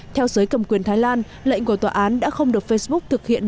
theo giới cầm quyền thái lan lệnh của tòa án đã không được facebook thực hiện